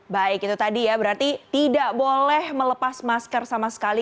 baik itu tadi ya berarti tidak boleh melepas masker sama sekali